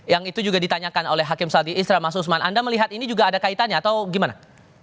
yang itu juga ditanyakan oleh hakim sadi isra mas usman anda melihat ini juga ada kaitannya atau gimana